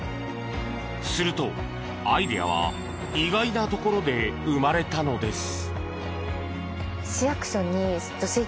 すると、アイデアは意外なところで生まれたのです。